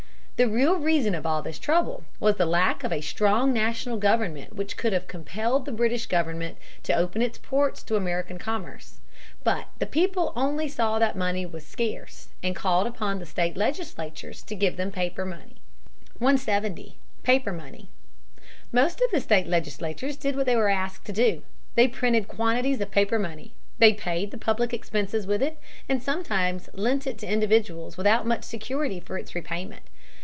The real reason of all this trouble was the lack of a strong national government which could have compelled the British government to open its ports to American commerce. But the people only saw that money was scarce and called upon the state legislatures to give them paper money. [Sidenote: Paper money.] 170. Paper Money. Most of the state legislatures did what they were asked to do. They printed quantities of paper money. They paid the public expenses with it, and sometimes lent it to individuals without much security for its repayment.